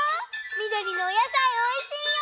みどりのおやさいおいしいよ。